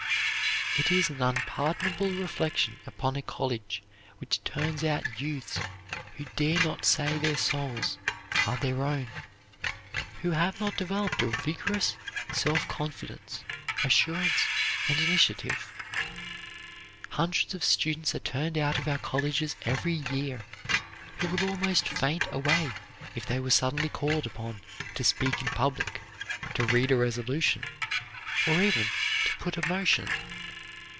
It is an unpardonable reflection upon a college which turns out youths who dare not say their souls are their own, who have not developed a vigorous self confidence, assurance, and initiative. Hundreds of students are turned out of our colleges every year who would almost faint away if they were suddenly called upon to speak in public, to read a resolution, or even to put a motion.